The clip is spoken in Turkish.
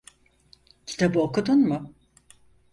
Kitabı okudun mu?